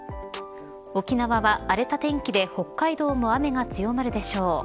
沖縄は荒れた天気で北海道も雨が強まるでしょう。